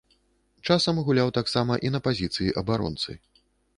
Часам гуляў таксама і на пазіцыі абаронцы.